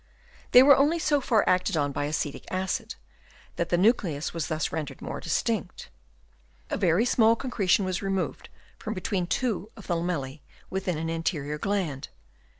They were only so far acted on by acetic acid that the nucleus was thus rendered more distinct. A very small con cretion was removed from between two of the lamellge within an anterior gland.